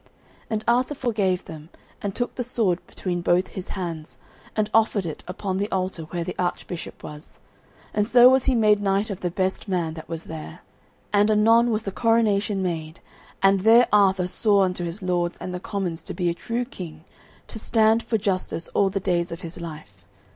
And Arthur forgave them, and took the sword between both his hands, and offered it upon the altar where the Archbishop was, and so was he made knight of the best man that was there. And anon was the coronation made, and there Arthur swore unto his lords and the commons to be a true king, to stand for justice all the days of his life.